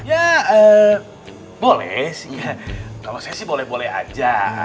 ya boleh sih kalau saya sih boleh boleh aja